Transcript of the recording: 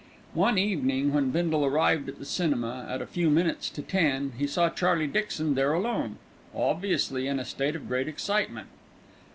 One evening when Bindle arrived at the cinema at a few minutes to ten, he saw Charlie Dixon there alone, obviously in a state of great excitement.